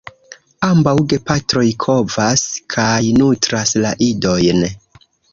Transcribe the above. Ambaŭ gepatroj kovas kaj nutras la idojn.